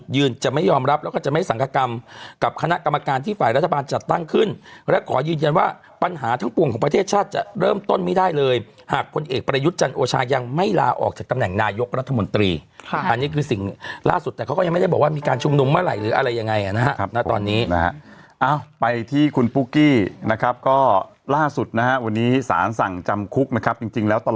ยืนยันว่าปัญหาทั้งปวงของประเทศชาติจะเริ่มต้นไม่ได้เลยหากคนเอกประยุทธ์จันทร์โอชายังไม่ลาออกจากตำแหน่งนายกรัฐมนตรีอันนี้คือสิ่งล่าสุดแต่เขาก็ยังไม่ได้บอกว่ามีการชุมนุมเมื่อไหร่หรืออะไรยังไงนะครับนะตอนนี้เอ้าไปที่คุณปุ๊กกี้นะครับก็ล่าสุดนะวันนี้สารสั่งจำคุกนะครับจริงแล้วต